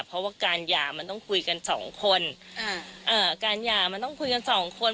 เพราะว่าการหย่ามันต้องคุยกันสองคนอ่าเอ่อการหย่ามันต้องคุยกันสองคน